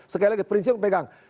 sekali lagi prinsip pegang